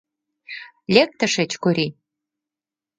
Лек тышеч, Корий!